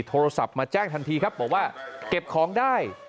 โทรศัพท์มาแจ้งทันทีครับบอกว่าเก็บของได้